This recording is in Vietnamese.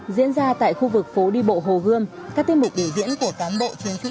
diễn ra tại khu vực phố đi bộ hồ gươm các tiết mục biểu diễn của cán bộ chiến sĩ